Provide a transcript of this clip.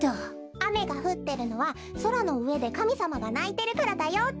あめがふってるのはそらのうえでかみさまがないてるからだよって。